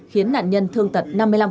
khiến nạn nhân thương tật năm mươi năm